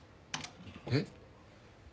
えっ？